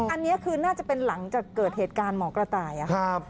อันนี้คือน่าจะเป็นหลังจากเกิดเหตุการณ์หมอกระต่ายค่ะ